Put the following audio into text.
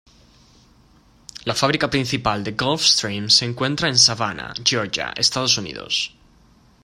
La fábrica principal de Gulfstream se encuentra en Savannah, Georgia, Estados Unidos.